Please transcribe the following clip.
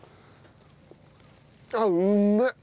あっうめえ！